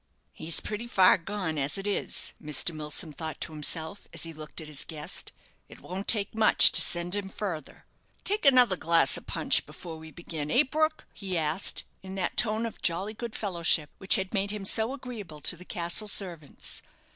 "He's pretty far gone, as it is," Mr. Milsom thought to himself, as he looked at his guest; "it won't take much to send him further. Take another glass of punch before we begin, eh, Brook?" he asked, in that tone of jolly good fellowship which had made him so agreeable to the castle servants.